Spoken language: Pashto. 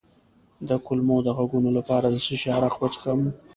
د کولمو د غږونو لپاره د څه شي عرق وڅښم؟